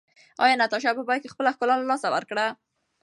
ایا ناتاشا په پای کې خپله ښکلا له لاسه ورکړه؟